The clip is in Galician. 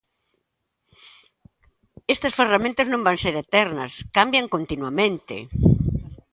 Estas ferramentas non van ser eternas, cambian continuamente.